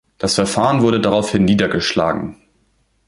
Das Verfahren wurde daraufhin niedergeschlagen.